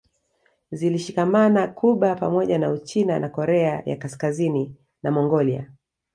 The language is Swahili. Zilishikamana Cuba pamoja na Uchina na Korea ya Kaskazini na Mongolia